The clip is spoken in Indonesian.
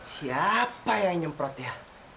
siapa yang nyemprot ya